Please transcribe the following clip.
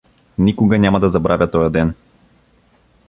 Никога няма да забравя тоя ден.